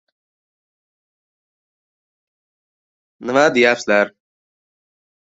Ko‘zlarimni chirt yumib turdim.